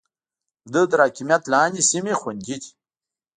د ده تر حاکميت لاندې سيمې خوندي دي.